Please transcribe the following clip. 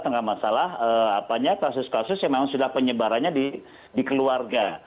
tengah masalah kasus kasus yang memang sudah penyebarannya di keluarga